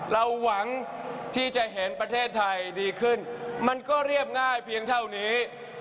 เราหวังที่จะเห็นประเทศไทยดีขึ้นมันก็เรียบง่ายเพียงเท่านี้